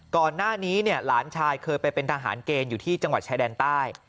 ก่อนหน้านี้หลานชายเคยไปเป็นทหารเกณฑ์อยู่ที่จังหวัดชายแดนใต้